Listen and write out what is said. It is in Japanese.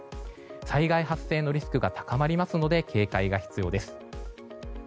災害発生のリスクが高まりますので警戒が必要です。